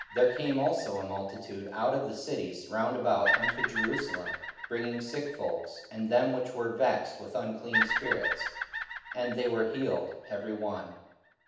44:005:016 There came also a multitude out of the cities round about unto Jerusalem, bringing sick folks, and them which were vexed with unclean spirits: and they were healed every one.